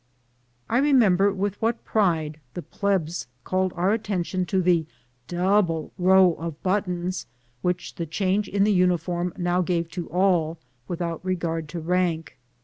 I remember with what pride the "plebs" called our attention to the double row of buttons which the change in the uniform now gave to all, without regard to rank.